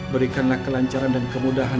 berikanlah kelancaran dan kemudahan